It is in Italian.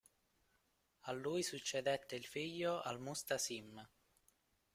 A lui succedette il figlio al-Musta'sim.